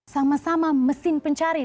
sama sama mesin pencari